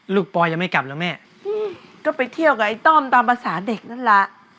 ปอยยังไม่กลับแล้วแม่ก็ไปเที่ยวกับไอ้ต้อมตามภาษาเด็กนั่นแหละ